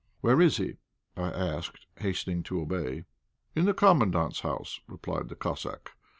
"Where is he?" I asked, hastening to obey. "In the Commandant's house," replied the Cossack.